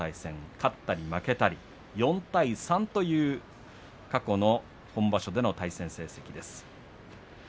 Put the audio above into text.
勝ったり負けたり、４対３という過去の本場所での対戦成績です。